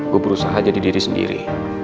gue berusaha jadi diri sendiri